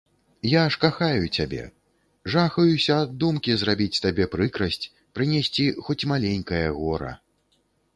Я ж кахаю цябе, жахаюся ад думкі зрабіць табе прыкрасць, прынесці хоць маленькае гора.